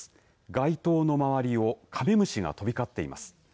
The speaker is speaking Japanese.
街灯の周りをカメムシが飛び交っています。